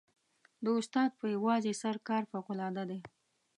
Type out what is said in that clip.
د استاد په یوازې سر کار فوقالعاده دی.